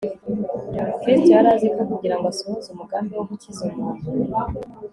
kristo yari azi ko kugira ngo asohoze umugambi wo gukiza umuntu